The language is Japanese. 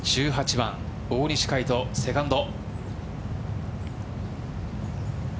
１８番、大西魁斗、セカンド。